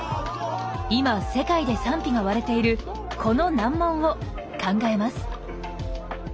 今世界で賛否が割れているこの難問を考えます。